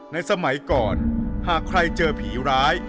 สมัยก่อนหากใครเจอผีร้าย